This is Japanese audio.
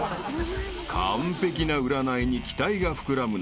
［完璧な占いに期待が膨らむ中